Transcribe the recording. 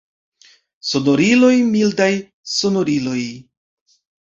Sonoriloj mildaj, sonoriloj!